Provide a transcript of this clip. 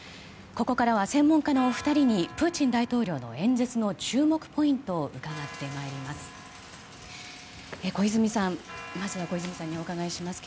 ここからは専門家のお二人にプーチン大統領の演説の注目ポイントを伺ってまいります。